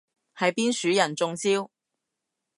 係邊樹人中招？